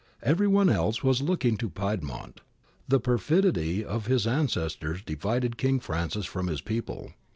Every one else was looking to Piedmont. The perfidy of his ancestors divided King Francis from his people.